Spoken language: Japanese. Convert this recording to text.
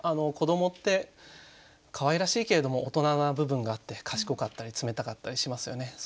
子どもってかわいらしいけれども大人な部分があって賢かったり冷たかったりしますよね。